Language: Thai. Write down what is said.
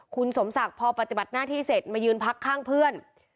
คุณสมศักดิ์พอปฏิบัติหน้าที่เสร็จมายืนพักข้างเพื่อน